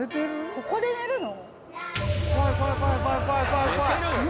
ここで寝るの？